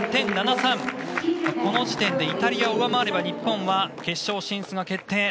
この時点でイタリアを上回れば日本は決勝進出が決定。